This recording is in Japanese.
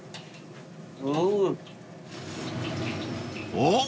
［おっ！